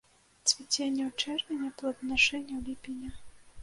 Цвіценне ў чэрвені, плоданашэнне ў ліпені.